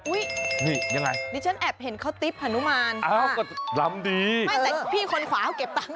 อุ๊ยนี่ยังไงนี่ฉันแอบเห็นเขาติ๊บอนุมานค่ะไม่แต่พี่คนขวาเขาเก็บตังค์